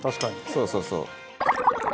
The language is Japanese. そうそうそう。